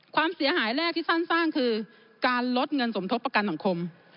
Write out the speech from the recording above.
ความเสียหายแรกที่สั้นสร้างคือการลดเงินสมทบประกันสังคม